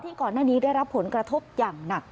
ก่อนหน้านี้ได้รับผลกระทบอย่างหนัก